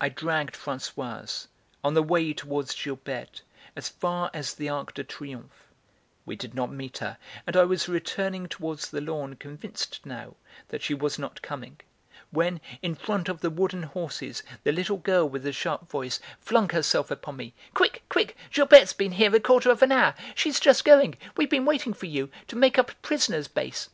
I dragged Françoise, on the way towards Gilberte, as far as the Arc de Triomphe; we did not meet her, and I was returning towards the lawn convinced, now, that she was not coming, when, in front of the wooden horses, the little girl with the sharp voice flung herself upon me: "Quick, quick, Gilberte's been here a quarter of an hour. She's just going. We've been waiting for you, to make up a prisoner's base."